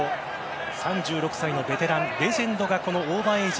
３６歳のベテランレジェンドがオーバーエージ。